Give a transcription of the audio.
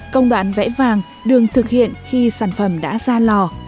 công đoạn vẽ vàng đường thực hiện khi sản phẩm đã ra lò